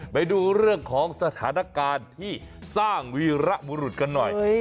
ไปดูเรื่องของสถานการณ์ที่สร้างวีระบุรุษกันหน่อย